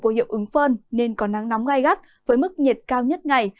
của hiệu ứng phân nên có nắng nóng gai gắt với mức nhiệt cao nhất ngày